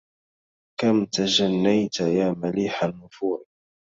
كم تجنيت يا مليح النفور